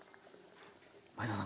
前沢さん